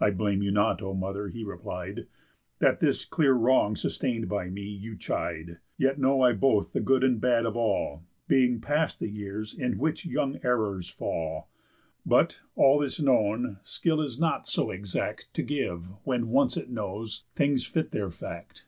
"I blame you not, O mother," he replied, "That, this clear wrong sustain'd by me, you chide; Yet know I both the good and bad of all, Being past the years in which young errors fall. But, all this known, skill is not so exact To give, when once it knows, things fit their fact.